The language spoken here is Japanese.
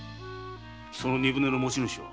その荷船の持ち主は？